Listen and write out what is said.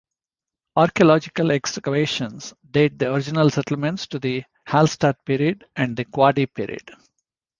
Archaeological excavations date the original settlement to the Hallstatt period and the Quadi period.